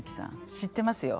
知ってますよ。